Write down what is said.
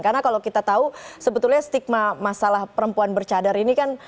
karena kalau kita tahu sebetulnya stigma masalah perempuan bercadar ini kan